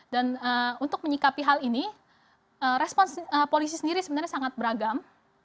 dan untuk menyikapi hal ini respons polisi sendiri sebenarnya sangat beragam